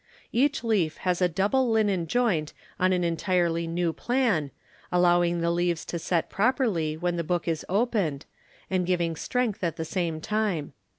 Each leaf has a double linen joint on an entirely new plan, allowing the leaves to set properly when the book is opened, and giving strength at the same time.